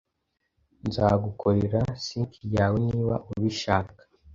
Nzagukorera sink yawe niba ubishaka .